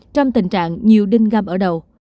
trong tình trạng nhiều đinh gam ở đầu